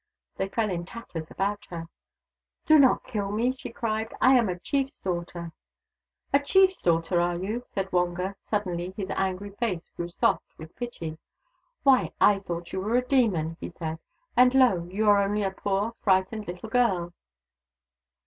They fell in tatters about her. " Do not kill me !" she cried. " I am a chief's daughter !"" A chief's daughter, are you ?" said Wonga. Suddenly his angry face grew soft with pity. '' Why, I thought you a demon," he said —" and lo ! you are only a poor, frightened little girl